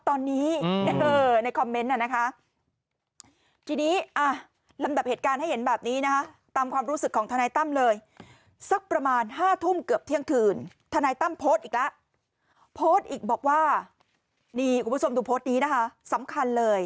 ตอนนี้เออในคอมเมนต์น่ะนะคะ